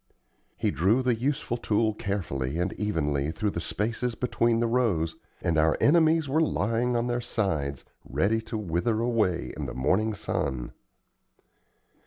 He drew the useful tool carefully and evenly through the spaces between the rows, and our enemies were lying on their sides ready to wither away in the morning sun.